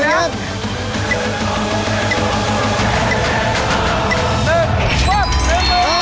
ถ่ายเลข๔นะ